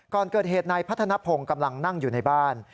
ก่อนเกิดเหตุนายพัฒนภงกำลังนั่งอยู่ในบ้าน